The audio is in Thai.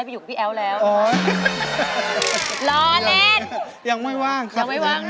รู้สึกแบบกันไหม